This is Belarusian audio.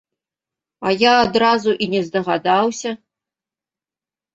А я адразу і не здагадаўся.